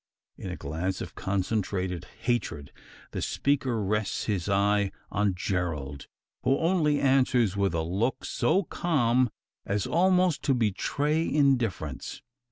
In a glance of concentrated hatred, the speaker rests his eye upon Gerald; who only answers with a look, so calm as almost to betray indifference.